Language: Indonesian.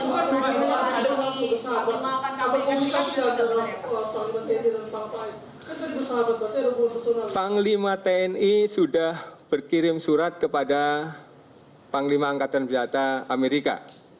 panglima tni sudah berkirim surat kepada panglima angkatan berdata amerika